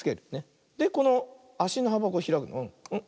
でこのあしのはばをひらく。